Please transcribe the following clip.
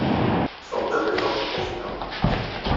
Ḍḍfeɣ-d akk iferṭeṭṭuten-a.